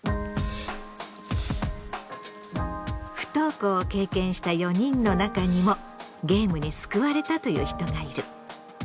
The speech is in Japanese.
不登校を経験した４人の中にもゲームに救われたという人がいる。